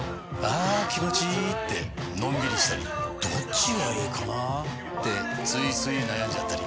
あ気持ちいいってのんびりしたりどっちがいいかなってついつい悩んじゃったり。